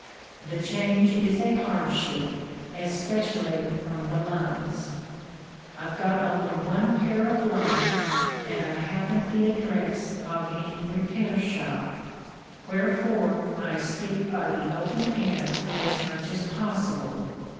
The change is a hardship, especially on the lungs. I've got only one pair of lungs, and I haven't the address of any repair shop. Wherefore I stick by the open air as much as possible.